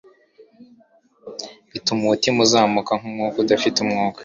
Bituma umutima uzamuka nkumwuka udafite umwuka